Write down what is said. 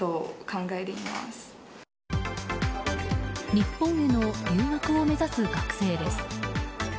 日本への留学を目指す学生です。